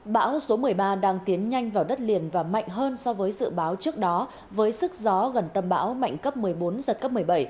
bão số một mươi ba đang tiến nhanh vào đất liền và mạnh hơn so với dự báo trước đó với sức gió gần tâm bão mạnh cấp một mươi bốn giật cấp một mươi bảy